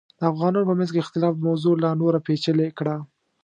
د افغانانو په منځ کې اختلاف موضوع لا نوره پیچلې کړه.